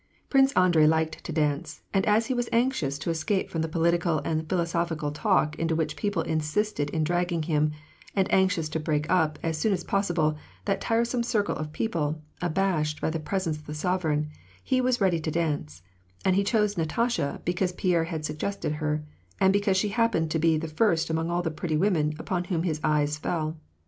Prince Andrei liked to dance, and as he was anxious to es cape from the political and philosophical talk into which people insisted in dragging him, and anxious to break up, as soon as possible, that tiresome circle of people, abashed by the presence of the sovereign, — he was ready to dance ; and he chose Natasha, because Pierre had suggested her, and because she happened to be the first among all the pretty women upon whom nis eyes fell.